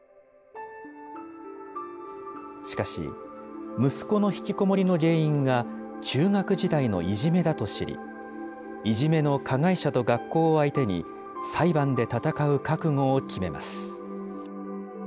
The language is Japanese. しかし、息子のひきこもりの原因が、中学時代のいじめだと知り、いじめの加害者と学校を相手に、裁判で闘う覚悟を決めます。